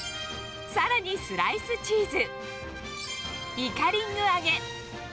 さらにスライスチーズ、イカリング揚げ。